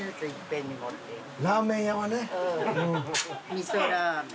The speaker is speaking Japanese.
味噌ラーメン。